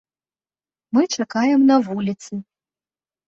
Мы чакаем на вуліцы.